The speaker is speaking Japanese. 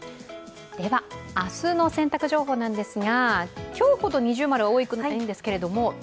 明日の洗濯情報なんですが今日ほど二重丸が多くないんですけど。